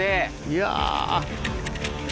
いや。